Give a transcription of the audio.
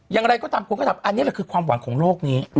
อย่างไรก็ตามผู้คนก็ตามอันนี้ก็คือความหวานของโรคนี้